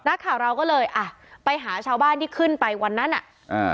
นักข่าวเราก็เลยอ่ะไปหาชาวบ้านที่ขึ้นไปวันนั้นอ่ะอ่า